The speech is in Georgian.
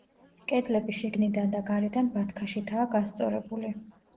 კედლები შიგნიდან და გარედან ბათქაშითაა გასწორებული.